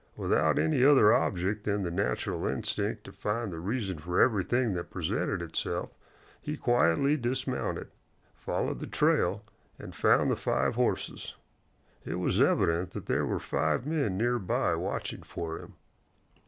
Without any other object than the natural instinct to find the reason for everything that presented itself, he quietly dismounted, followed the trail, and found the five horses. It was evident that there were five men near by watching for him.